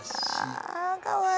あかわいい。